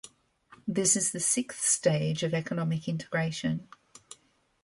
This is the sixth stage of economic integration.